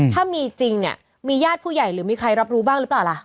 ถ้ามีจริงเนี่ยมีญาติผู้ใหญ่หรือมีใครรับรู้บ้างหรือเปล่าล่ะ